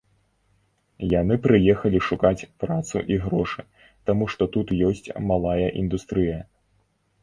Яны прыехалі шукаць працу і грошы, таму што тут ёсць малая індустрыя.